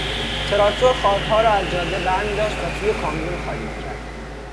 تراکتور خاکها را از جاده برمیداشت و توی کامیون خالی میکرد.